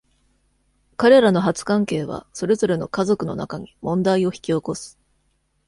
彼らの初関係は、それぞれの家族の中に問題を引き起こす。